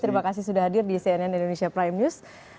terima kasih sudah hadir di cnn indonesia prime news